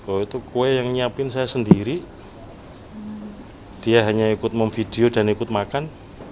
oh itu kue yang nyiapin saya sendiri dia hanya ikut memvideo dan ikut makan